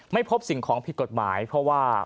ไม่พบสิ่งของผิดกฎหมายเพราะว่า